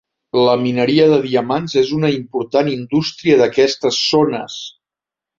La mineria de diamants és una important indústria d'aquestes zones.